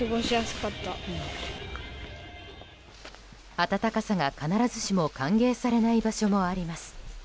暖かさが必ずしも歓迎されない場所もあります。